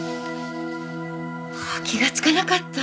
気がつかなかった。